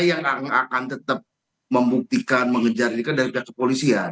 karena yang akan tetap membuktikan mengejar ini kan dari pihak kepolisian